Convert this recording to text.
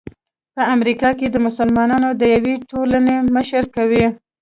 په امریکا کې د مسلمانانو د یوې ټولنې مشري کوي.